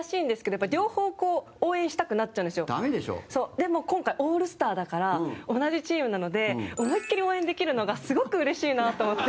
でも、今回オールスターだから同じチームなので思いっきり応援できるのがすごくうれしいなと思って。